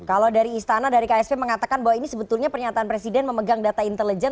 kalau dari istana dari ksp mengatakan bahwa ini sebetulnya pernyataan presiden memegang data intelijen